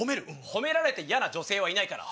褒められて嫌な女性いないから。